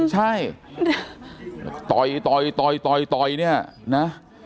ใช่ต่อยเนี่ยนะ